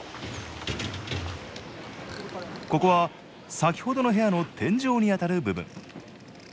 ここは先ほどの部屋の天井にあたる部分。